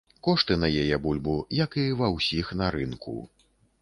Кошты на яе бульбу, як і ва ўсіх на рынку.